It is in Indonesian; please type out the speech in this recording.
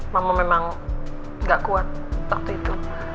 mama memang gak kuat waktu itu